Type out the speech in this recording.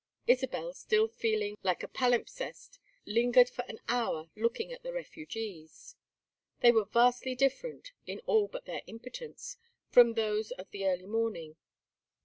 Isabel, still feeling like a palimpsest, lingered for an hour looking at these refugees. They were vastly different, in all but their impotence, from those of the early morning.